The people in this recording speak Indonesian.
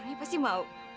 orangnya pasti mau